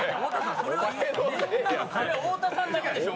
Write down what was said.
それ太田さんだけでしょ。